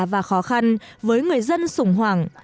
và khó khăn với người dân sủng hoảng